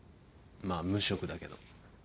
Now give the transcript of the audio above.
まあ無職だけど。